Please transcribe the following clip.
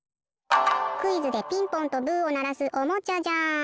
クイズでピンポンとブーをならすおもちゃじゃん！